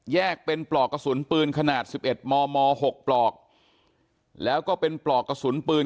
เป็นปลอกกระสุนปืนขนาด๑๑มม๖ปลอกแล้วก็เป็นปลอกกระสุนปืน